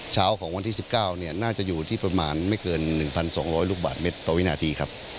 เช้าของวันที่๑๙น่าจะอยู่ที่ประมาณไม่เกิน๑๒๐๐ลูกบาทเมตรต่อวินาทีครับ